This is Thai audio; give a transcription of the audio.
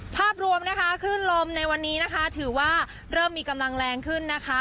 ภาพรวมนะคะขึ้นลมในวันนี้นะคะถือว่าเริ่มมีกำลังแรงขึ้นนะคะ